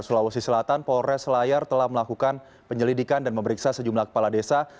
sulawesi selatan polres selayar telah melakukan penyelidikan dan memeriksa sejumlah kepala desa